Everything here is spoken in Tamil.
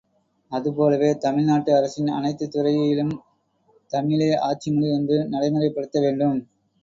அதுபோலவே தமிழ் நாட்டு அரசின் அனைத்துத் துறையிலும் தமிழே ஆட்சி மொழி என்று நடைமுறைப்படுத்தவேண்டும்.